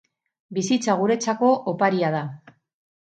Bizitza guretzako oparia da.